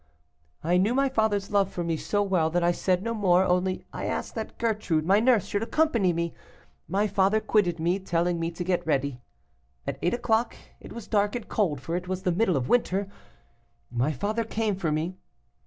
"I knew my father's love for me so well that I said no more, only I asked that Gertrude, my nurse, should accompany me. My father quitted me, telling me to get ready. "At eight o'clock (it was dark and cold, for it was the middle of winter) my father came for me.